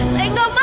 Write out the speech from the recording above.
saya gak mau pak